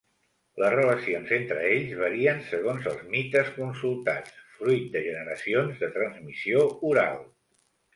Les relacions entre ells varien segons els mites consultats, fruit de generacions de transmissió oral.